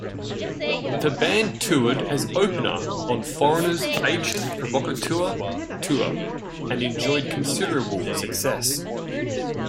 The band toured as opener on Foreigner's "Agent Provocateur" Tour, and enjoyed considerable success.